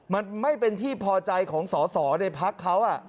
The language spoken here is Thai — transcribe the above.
มันไม่เป็นที่พอใจของสอสอในพักเขา